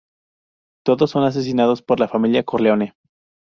Todos son asesinados por la familia Corleone.